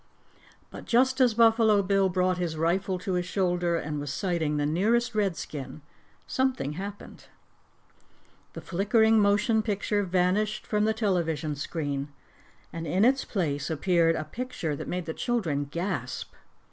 But just as Buffalo Bill brought his rifle to his shoulder and was sighting the nearest Redskin, something happened. The flickering motion picture vanished from the television screen, and in its place appeared a picture that made the children gasp.